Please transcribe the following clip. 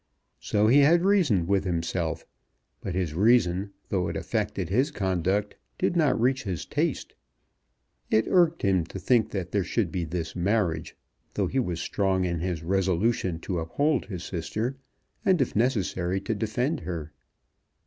So he had reasoned with himself; but his reason, though it affected his conduct, did not reach his taste. It irked him to think there should be this marriage, though he was strong in his resolution to uphold his sister, and, if necessary, to defend her.